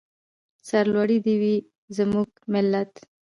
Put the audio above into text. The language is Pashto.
سرلوړی دې وي زموږ ملت.